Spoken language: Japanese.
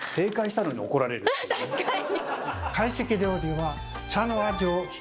確かに！